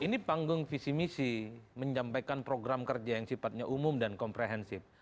ini panggung visi misi menjampaikan program kerja yang sifatnya umum dan komprehensif